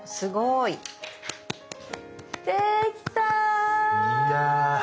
いや。